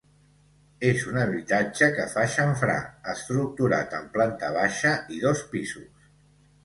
És un habitatge que fa xamfrà, estructurat en planta baixa i dos pisos.